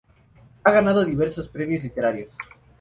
Ha ganado diversos premios literarios.